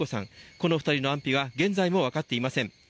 この２人の安否が現在も分かっていません。